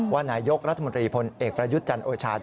ว่านายกรัฐมนตรีพลเอกประยุทธ์จันทร์โอชา